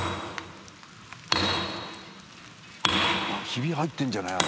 ひび入ってるんじゃない？